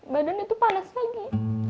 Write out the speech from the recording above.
badan itu panas lagi